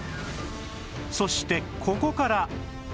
そしてここから